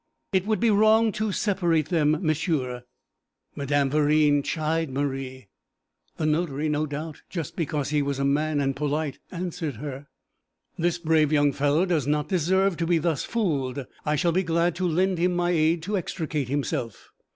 'It would be wrong to separate them, monsieur.' Madame Verine chid Marie; the notary, no doubt just because he was a man and polite, answered her. 'This brave young fellow does not deserve to be thus fooled. I shall be glad to lend him my aid to extricate himself.'